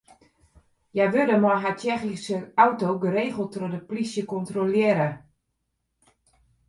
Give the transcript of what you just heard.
Hja wurde mei har Tsjechyske auto geregeld troch de plysje kontrolearre.